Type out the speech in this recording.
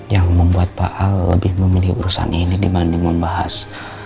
yang membuat pak al lebih memilih urusan ini dibanding membahas